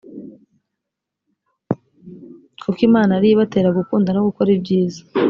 kuko imana ari yo ibatera gukunda no gukora ibyiza